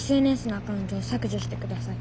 ＳＮＳのアカウントをさくじょしてください。